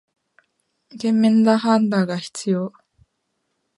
賢明な判断が必要